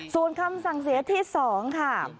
ส่วนคำสั่งเสียที่๒ค่ะ